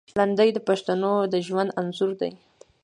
لنډۍ د پښتنو د ژوند انځور دی.